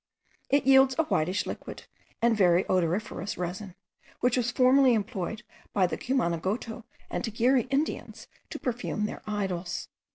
It yields a whitish liquid, and very odoriferous resin, which was formerly employed by the Cumanagoto and Tagiri Indians, to perfume their idols.